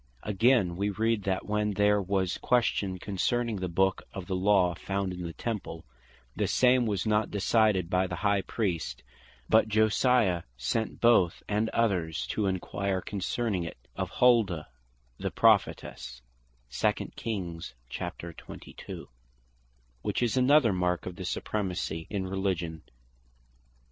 Again, we read (2 Kings 22.) that when there was question concerning the Book of the Law found in the Temple, the same was not decided by the High Priest, but Josiah sent both him, and others to enquire concerning it, of Hulda, the Prophetesse; which is another mark of the Supremacy in Religion.